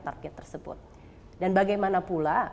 target tersebut dan bagaimana pula